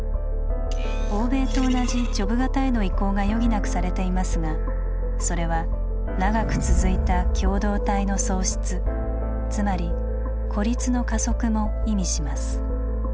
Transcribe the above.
欧米と同じ「ジョブ型」への移行が余儀なくされていますがそれは長く続いた共同体の喪失つまり「孤立」の加速も意味します。